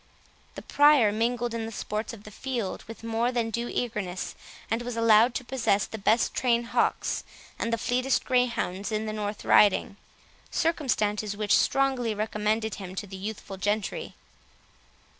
The Prior mingled in the sports of the field with more than due eagerness, and was allowed to possess the best trained hawks, and the fleetest greyhounds in the North Riding; circumstances which strongly recommended him to the youthful gentry.